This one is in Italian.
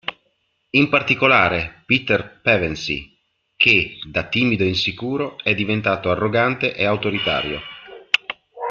In particolare Peter Pevensie che, da timido e insicuro, è diventato arrogante e autoritario.